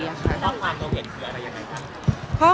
ข้อความตัวเห็นเขียวอะไรอย่างไรคะ